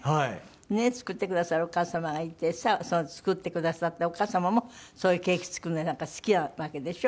ねっ作ってくださるお母様がいてさ作ってくださったお母様もそういうケーキ作るのやなんか好きなわけでしょ？